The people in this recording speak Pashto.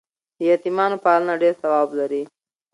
د یتیمانو پالنه ډېر ثواب لري.